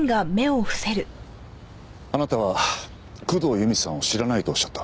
あなたは工藤由美さんを知らないとおっしゃった。